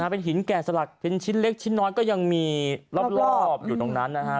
เป็นหินแก่สลักเป็นชิ้นเล็กชิ้นน้อยก็ยังมีรอบอยู่ตรงนั้นนะฮะ